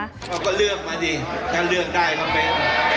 เขาก็เลือกมาดิถ้าเลือกได้ก็เป็น